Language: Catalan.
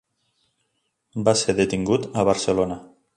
Va ser detingut a Barcelona.